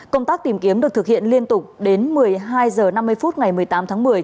công tác tìm kiếm được thực hiện liên tục đến một mươi hai h năm mươi phút ngày một mươi tám tháng một mươi